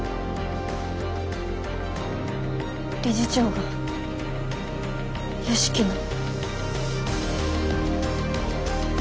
理事長が良樹の。